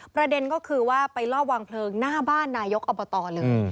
ประเด็นก็คือว่าไปลอบวางเพลิงหน้าบ้านนายกอบตเลย